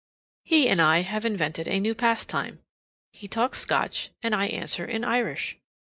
He and I have invented a new pastime: he talks Scotch, and I answer in Irish.